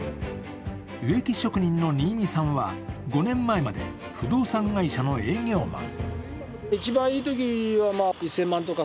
植木職人の新見さんは、５年前まで不動産会社の営業マン。